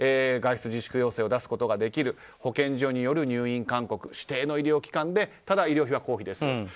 外出自粛要請を出すことができる保健所による入院勧告指定の医療機関でただ、医療費は公費ですよと。